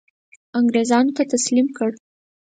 انګرېزانو ته تسلیم کړ.